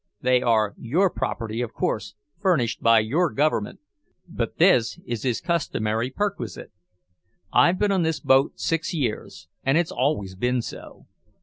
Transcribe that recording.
They are your property, of course, furnished by your government; but this is his customary perquisite. I've been on this boat six years, and it's always been so.